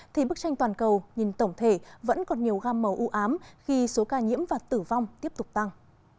thì bức tranh toàn cầu nhìn tổng thể vẫn còn nhiều gam màu ưu ám khi số ca nhiễm và tử vong tiếp tục tăng